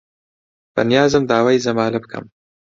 بەنیازم داوای زەمالە بکەم.